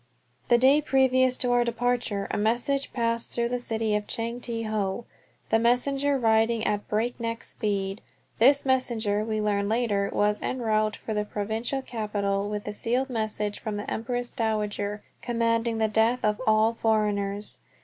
The day previous to our departure a message passed through the city of Chang Te Ho, the messenger riding at breakneck speed. This messenger, we learned later, was en route for the Provincial Capital with the sealed message from the Empress Dowager commanding the death of all foreigners.